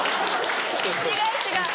違う違う！